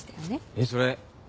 えっそれ